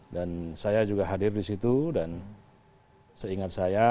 dan saya juga hadir di situ dan seingat saya